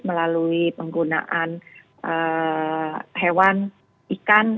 melalui penggunaan hewan